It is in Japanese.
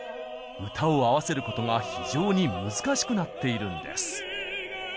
歌を合わせることが非常に難しくなっているんです。